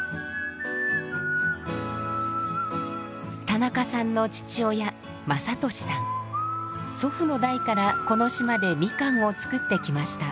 田中さんの父親祖父の代からこの島でみかんを作ってきました。